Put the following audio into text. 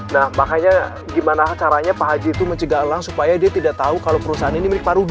nah makanya gimana caranya pak haji itu mencegah elang supaya dia tidak tahu kalau perusahaan ini milik pak rudi